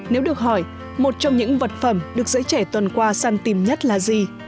nếu được hỏi một trong những vật phẩm được giới trẻ tuần qua săn tìm nhất là gì